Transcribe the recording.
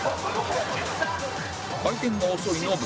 回転が遅いノブ